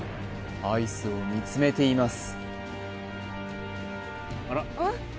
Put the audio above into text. アイスを見つめています